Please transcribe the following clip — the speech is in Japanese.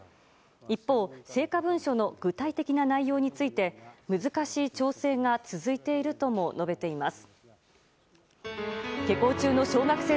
一方、成果文書の具体的な内容について難しい調整が続いているとも述べています。